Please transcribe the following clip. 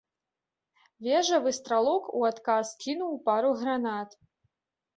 Вежавы стралок у адказ кінуў пару гранат.